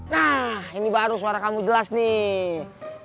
nah ini baru suara kamu jelas nih